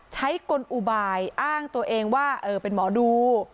กลอุบายอ้างตัวเองว่าเป็นหมอดู